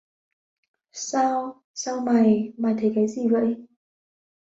sao, sao mày, mày thấy cái gì vậy